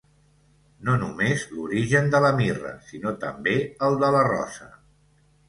No només l'origen de la mirra, sinó també el de la rosa.